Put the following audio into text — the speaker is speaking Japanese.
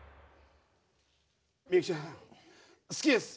ミユキちゃん好きです！